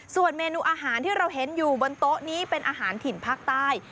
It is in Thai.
ส่วนเมนูอาหารที่เราเห็นอยู่บนโต๊ะนี้เป็นอาหารถิ่นภาคใต้